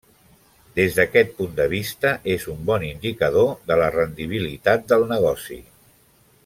Des d'aquest punt de vista, és un bon indicador de la rendibilitat del negoci.